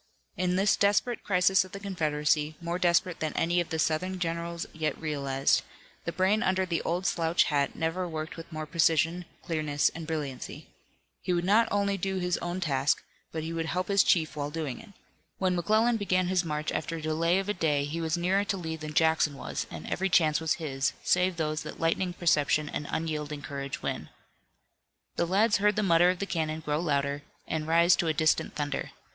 In this desperate crisis of the Confederacy, more desperate than any of the Southern generals yet realized, the brain under the old slouch hat never worked with more precision, clearness and brilliancy. He would not only do his own task, but he would help his chief while doing it. When McClellan began his march after a delay of a day he was nearer to Lee than Jackson was and every chance was his, save those that lightning perception and unyielding courage win. The lads heard the mutter of the cannon grow louder, and rise to a distant thunder.